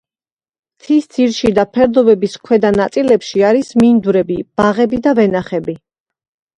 მთისძირში და ფერდობების ქვედა ნაწილებში არის მინდვრები, ბაღები და ვენახები.